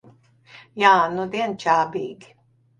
Jā, nudien čābīgi.